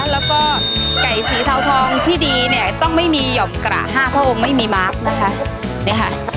แล้วก็ไก่สีเทาทองที่ดีเนี่ยต้องไม่มีหย่อมกระห้าพระองค์ไม่มีมาร์คนะคะ